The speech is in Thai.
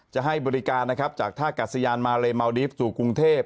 จะให้บริการนะครับจากท่ากัดสยานมาเลเมาดีฟสู่กรุงเทพ